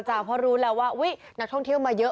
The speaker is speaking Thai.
เพราะรู้แล้วว่านักท่องเที่ยวมาเยอะ